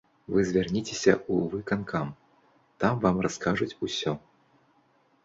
Вы звярніцеся ў выканкам, там вам раскажуць усё.